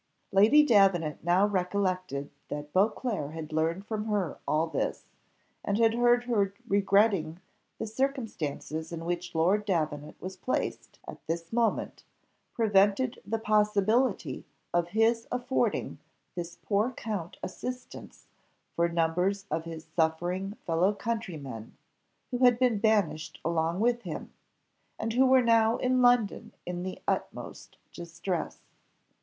Lady Davenant now recollected that Beauclerc had learned from her all this, and had heard her regretting that the circumstances in which Lord Davenant was placed at this moment, prevented the possibility of his affording this poor count assistance for numbers of his suffering fellow countrymen who had been banished along with him, and who were now in London in the utmost distress.